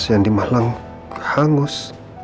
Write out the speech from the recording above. yang di malang hangus